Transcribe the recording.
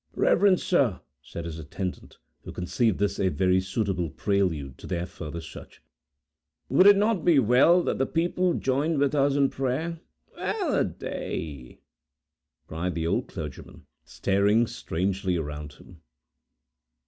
"Reverend Sir," said his attendant, who conceived this a very suitable prelude to their further search, "would it not be well, that the people join with us in prayer?" "Well a day!" cried the old clergyman, staring strangely around him.